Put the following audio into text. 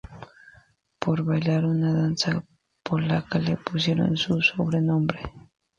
Por bailar una danza polaca le pusieron su sobrenombre.